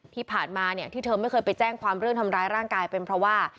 ที่ผ่านมาเนี่ยที่เธอไม่เคยไปแจ้งความเรื่องทำร้ายร่างกายเป็นเพราะว่า